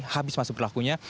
habis masuk berlakunya